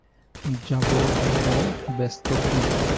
যাব যাব, ব্যস্ত কী।